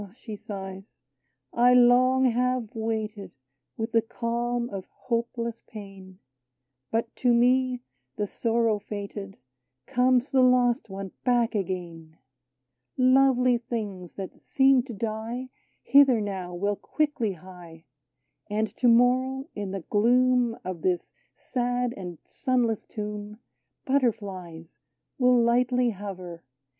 " she sighs, " I long have waited With the calm of hopeless pain, 32 AUTUMN But to me, the sorrow fated, Comes the lost one back again ! Lovely things that seem to die Hither now will quickly hie. And to morrow, in the gloom Of this sad and sunless tomb, Butterflies will lightly hover.